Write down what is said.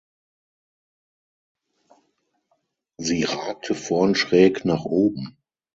Sie ragte vorn schräg nach oben.